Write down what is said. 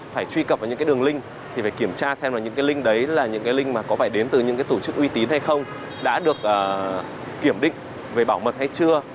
từ những cái tổ chức uy tín hay không đã được kiểm định về bảo mật hay chưa